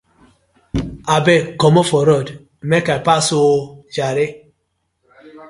Abeg komot for road mek I pass oh jare.